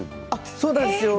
そうなんですよ